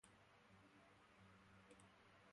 Bai, zuk zeuk hala nahi baldin baduzu bederen.